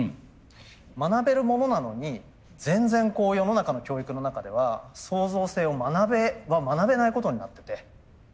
学べるものなのに全然世の中の教育の中では創造性を学べないことになってて。